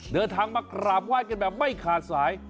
เดินทางมากราบไหว้กันแบบไม่ขาดสาย